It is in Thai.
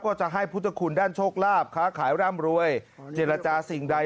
จะให้พุทธคุณด้านโชคลาภค้าขายร่ำรวยเจรจาสิ่งใด